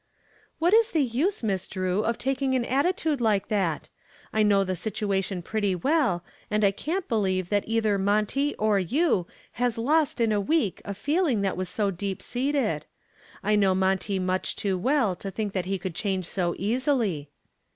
"What is the use, Miss Drew, of taking an attitude like that? I know the situation pretty well, and I can't believe that either Monty or you has lost in a week a feeling that was so deep seated. I know Monty much too well to think that he would change so easily."